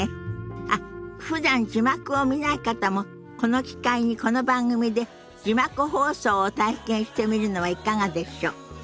あっふだん字幕を見ない方もこの機会にこの番組で字幕放送を体験してみるのはいかがでしょ。